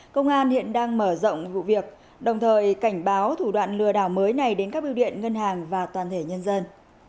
công an hiện đang mở rộng vụ việc đồng thời cảnh báo thủ đoạn lừa đảo mới này đến các biêu điện ngân hàng và toàn thể nhân dân